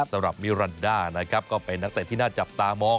สำหรับมิรันดานะครับก็เป็นนักเตะที่น่าจับตามอง